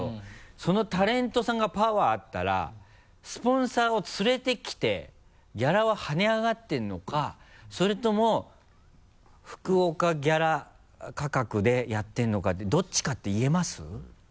そのタレントさんがパワーあったらスポンサーを連れてきてギャラは跳ね上がってるのかそれとも福岡ギャラ価格でやってるのかってどっちかって言えます？